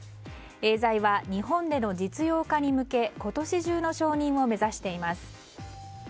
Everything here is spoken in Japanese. エーザイは日本での実用化に向け今年中の承認を目指しています。